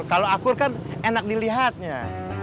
kalau akur kan enak dilihatnya